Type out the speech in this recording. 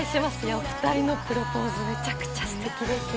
お２人のプロポーズ、めちゃくちゃステキですね。